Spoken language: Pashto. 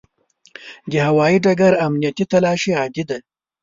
د هوایي ډګر امنیتي تلاشي عادي ده.